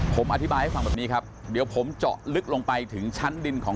ผมอธิบายให้ฟังแบบนี้ครับเดี๋ยวผมเจาะลึกลงไปถึงชั้นดินของ